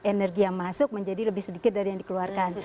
energi yang masuk menjadi lebih sedikit dari yang dikeluarkan